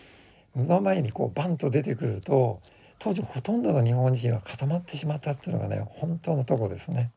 目の前にこうバンと出てくると当時ほとんどの日本人は固まってしまったというのがね本当のとこですね。